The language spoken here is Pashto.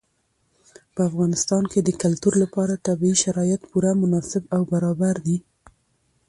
په افغانستان کې د کلتور لپاره طبیعي شرایط پوره مناسب او برابر دي.